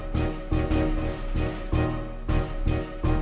สาเหตุที่ออก